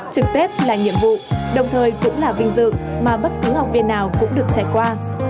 trực tết là nhiệm vụ đồng thời cũng là vinh dự mà bất cứ học viên nào cũng được trải qua